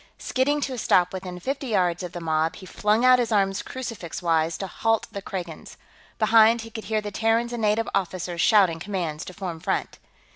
Skidding to a stop within fifty yards of the mob, he flung out his arms crucifix wise to halt the Kragans. Behind, he could hear the Terrans and native officers shouting commands to form front.